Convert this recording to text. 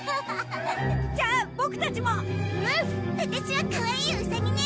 ワタシはかわいいウサギね。